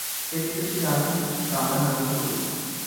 এই প্রদেশটির রাজধানী হচ্ছে কান্দাহার নগরী।